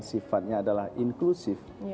sifatnya adalah inklusif